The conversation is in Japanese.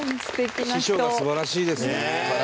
高橋：素晴らしいですね。